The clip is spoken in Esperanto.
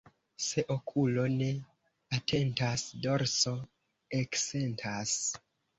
Se okulo ne atentas, dorso eksentas.